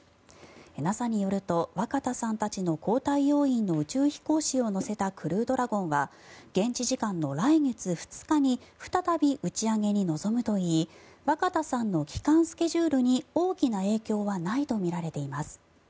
ＮＡＳＡによると若田さんたちの交代要員の宇宙飛行士を乗せたクルードラゴンは現地時間の来月２日に再び打ち上げに臨むといい若田さんの帰還スケジュールに大きな影響はないとみられています。